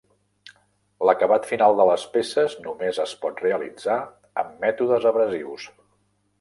L'acabat final de les peces només es pot realitzar amb mètodes abrasius.